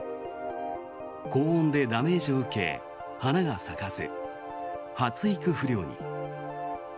高温でダメージを受け花が咲かず発育不良に。